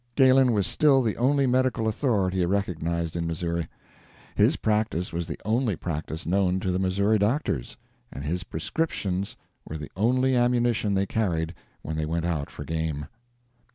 Galen was still the only medical authority recognized in Missouri; his practice was the only practice known to the Missouri doctors, and his prescriptions were the only ammunition they carried when they went out for game.